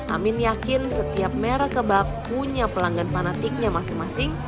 amin yakin setiap merek kebab punya pelanggan fanatiknya masing masing